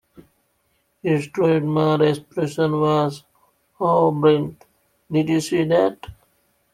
His trademark expression was Oh, Brent, did you see that!